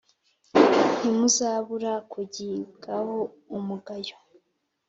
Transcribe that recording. Ntimuzabura kugibwaho umugayo